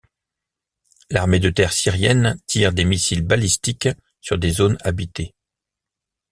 L'armée de terre syrienne tire des missiles balistiques sur des zones habitées.